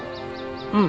うん。